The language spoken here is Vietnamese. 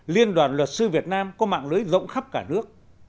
liên đoàn luật sư việt nam có mạng lưới rộng khắp cả nước